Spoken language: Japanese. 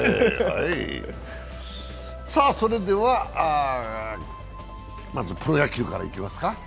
それでは、まずプロ野球からいきますか。